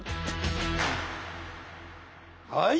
はい。